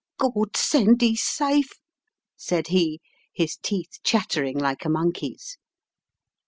"Gawd send 'e's safe," said he, his teeth chattering like a monkey's.